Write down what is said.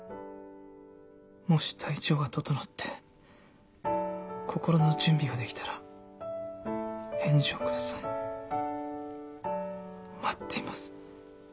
「もし体調が整って心の準備ができたら返事をください」「待っています」